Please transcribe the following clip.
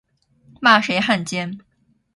骂谁汉奸